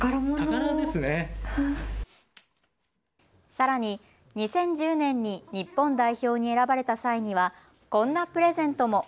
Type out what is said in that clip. さらに２０１０年に日本代表に選ばれた際にはこんなプレゼントも。